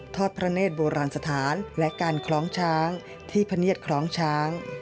พระเนธโบราณสถานและการคล้องช้างที่พเนียดคล้องช้าง